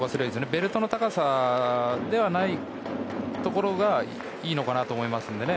ベルトの高さでないところがいいのかなと思いますので。